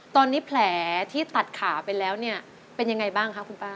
ตอนนี้แผลที่ตัดขาไปแล้วเนี่ยเป็นยังไงบ้างคะคุณป้า